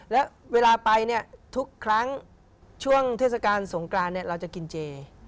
แล้วเวลาไปเนี่ยทุกครั้งช่วงเทศกาลสงกรานเราจะกินเจ